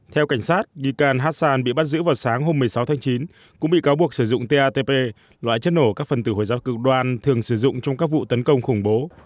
theo cảnh sát gikal hassan bị bắt giữ vào sáng hôm một mươi sáu tháng chín cũng bị cáo buộc sử dụng tat loại chất nổ các phần tử hồi giáo cực đoan thường sử dụng trong các vụ tấn công khủng bố